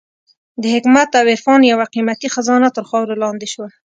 د حکمت او عرفان یوه قېمتي خزانه تر خاورو لاندې شوه.